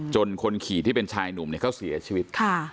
คนขี่ที่เป็นชายหนุ่มเนี่ยเขาเสียชีวิต